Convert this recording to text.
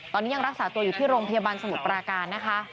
ตอนนี้ยังรักษาตัวอยู่ที่โรงพยาบาลสมุทรปราการนะคะ